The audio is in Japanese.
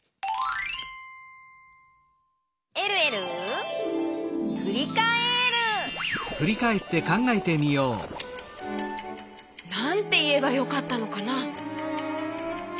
「えるえるふりかえる」なんていえばよかったのかな？